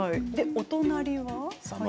お隣は？